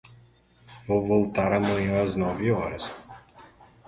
Vou voltar amanhã às nove horas.